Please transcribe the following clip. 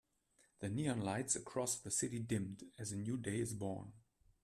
The neon lights across the city dimmed as a new day is born.